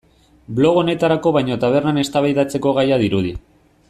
Blog honetarako baino tabernan eztabaidatzeko gaia dirudi.